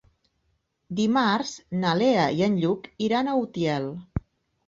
Dimarts na Lea i en Lluc iran a Utiel.